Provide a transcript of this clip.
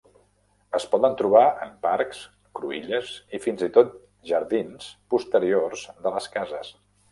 Es poden trobar en parcs, cruïlles, i fins i tot jardins posteriors de les cases.